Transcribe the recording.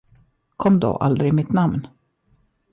Kom då aldrig mitt namn?